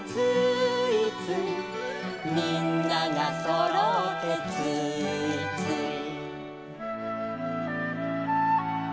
「みんながそろってつーいつい」